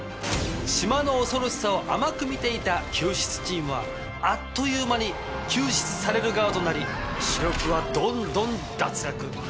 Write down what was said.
島の恐ろしさを甘く見ていた救出チームはあっという間に救出される側となり主力はどんどん脱落。